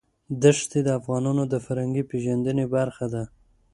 دښتې د افغانانو د فرهنګي پیژندنې برخه ده.